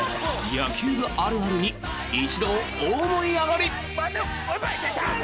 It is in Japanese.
野球部あるあるに一同大盛り上がり。